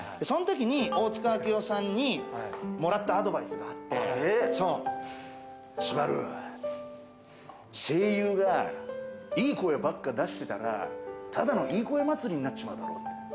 その時に大塚明夫さんにもらったアドバイスがあって、昴、声優がいい声ばっか出してたら、ただの良い声祭りになっちまうだろうって。